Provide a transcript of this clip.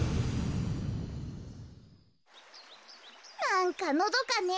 なんかのどかね。